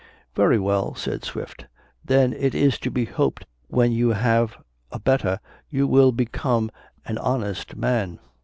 "Very well," said Swift; "then it is to be hoped when you have a better you will become an honest man."